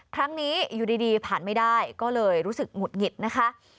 ครั้งนี้อยู่ดีผ่านไม่ได้ก็เลยรู้สึกหงุดหงิดนะคะ